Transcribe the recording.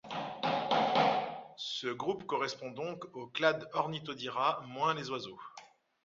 Ce groupe correspond donc au clade ornithodira moins les oiseaux.